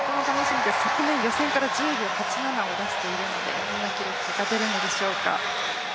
予選から１０秒８７を出しているのでどんな記録が出るのでしょうか。